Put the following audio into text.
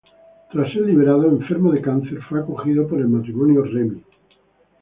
Tras ser liberado, enfermo de cáncer, fue acogido por el matrimonio Remi.